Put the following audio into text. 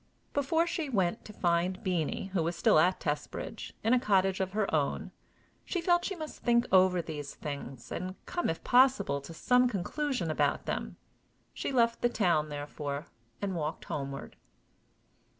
Before she went to find Beenie, who was still at Testbridge, in a cottage of her own, she felt she must think over these things, and come, if possible, to some conclusion about them. She left the town, therefore, and walked homeward.